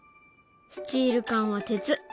スチール缶は鉄。